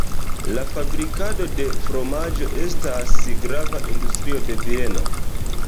La fabrikado de fromaĝo estas grava industrio de Vieno.